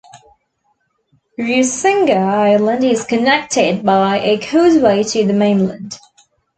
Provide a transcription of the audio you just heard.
Rusinga island is connected by a causeway to the mainland.